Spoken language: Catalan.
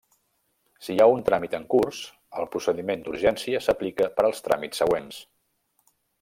Si hi ha un tràmit en curs, el procediment d'urgència s'aplica per als tràmits següents.